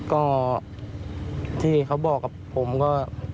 ก็ที่เขาบอกกับผมก็